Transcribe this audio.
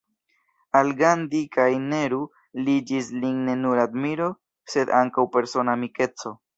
Al Gandhi kaj Nehru ligis lin ne nur admiro sed ankaŭ persona amikeco.